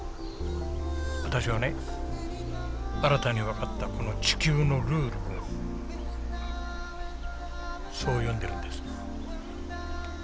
私はね新たに分かったこの地球のルールをそう呼んでるんです。